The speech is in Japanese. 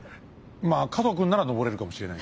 まあ加藤君なら登れるかもしれない。